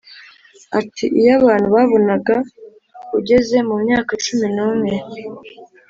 ati “’iyo abantu babonaga ugeze mu myaka cumi n’umwe